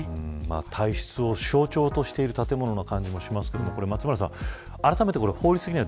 体質を象徴している建物な感じもしますが松村さん、あらためて法律的には